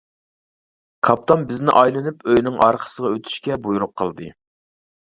كاپىتان بىزنى ئايلىنىپ ئۆينىڭ ئارقىسىغا ئۆتۈشكە بۇيرۇق قىلدى.